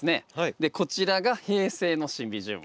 でこちらが平成のシンビジウム。